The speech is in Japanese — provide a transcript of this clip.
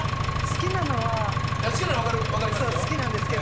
好きなのは分かりますよ。